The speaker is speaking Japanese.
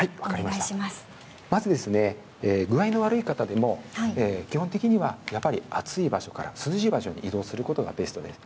まず、具合の悪い方でも基本的には暑い場所から涼しい場所に移動することがベストです。